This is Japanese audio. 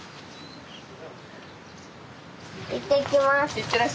いってきます。